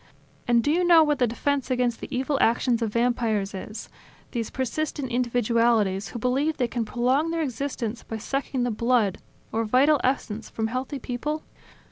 .. And do you know what the defense against the evil actions of Vampires is, these persistent individualities who believe they can prolong their existence by sucking the blood or vital essence from healthy people?